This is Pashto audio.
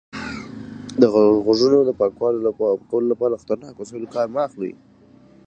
د غوږونو د پاکولو لپاره له خطرناکو وسایلو کار مه اخلئ.